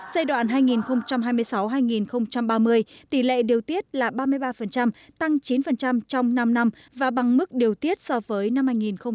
giai đoạn hai nghìn hai mươi sáu hai nghìn ba mươi tỷ lệ điều tiết là ba mươi ba tăng chín trong năm năm và bằng mức điều tiết so với năm hai nghìn một mươi tám